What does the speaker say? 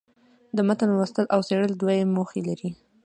د متن لوستل او څېړل دوې موخي لري.